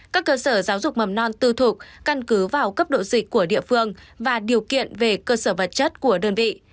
các cơ sở giáo dục mầm non tư thuộc căn cứ vào cấp độ dịch của địa phương và điều kiện về cơ sở vật chất của đơn vị